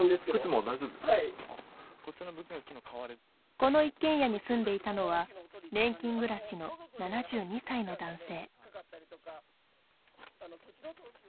この一軒家に住んでいたのは年金暮らしの７２歳の男性。